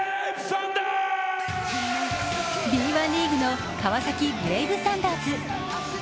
Ｂ１リーグの川崎ブレイブサンダース。